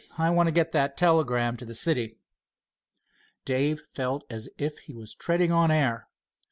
I want to get that telegram to the city." Dave felt as if he was treading on air.